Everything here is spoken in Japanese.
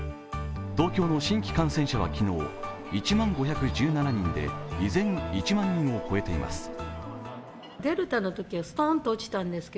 東京の新規感染者は昨日１万５１７人で依然、１万人を超えています。